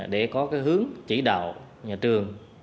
để có hướng chỉ đạo nhà trường